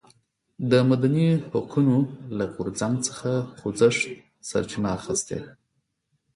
د مدني حقونو له غورځنګ څخه خوځښت سرچینه اخیسته.